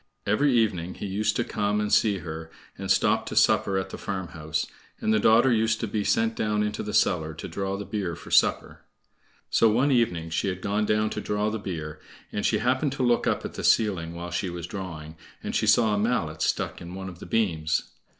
Every evening he used to come and see her, and stop to supper at the farmhouse, and the daughter used to be sent down into the cellar to draw the beer for supper. So one evening she had gone down to draw the beer, and she happened to look up at the ceiling while she was drawing, and she saw a mallet stuck in one of the beams.